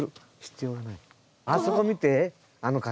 あそこ見てあの柿。